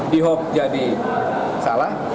dihok jadi salah